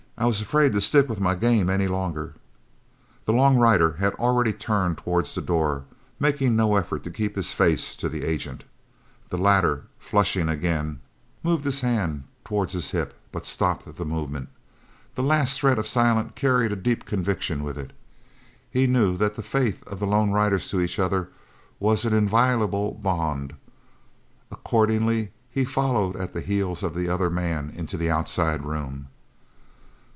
I was afraid to stick with my game any longer." The long rider had already turned towards the door, making no effort to keep his face to the agent. The latter, flushing again, moved his hand towards his hip, but stopped the movement. The last threat of Silent carried a deep conviction with it. He knew that the faith of lone riders to each other was an inviolable bond. Accordingly he followed at the heels of the other man into the outside room.